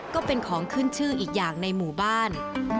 ก็เป็นของขึ้นชื่ออีกอย่างในหมู่บ้าน